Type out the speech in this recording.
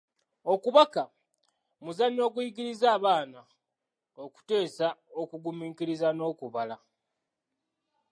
Okubaka, muzannyo okuyigiriza abaana okuteesa okugumiikiriza n’okubala.